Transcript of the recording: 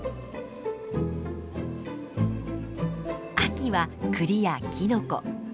秋は栗やキノコ。